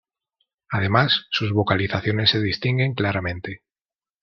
Además, sus vocalizaciones se distinguen claramente.